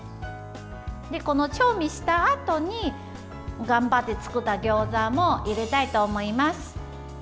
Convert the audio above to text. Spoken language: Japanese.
調味したあとに頑張って作ったギョーザも入れたいと思います。